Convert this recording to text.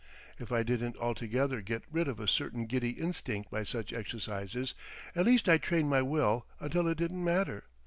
If I didn't altogether get rid of a certain giddy instinct by such exercises, at least I trained my will until it didn't matter.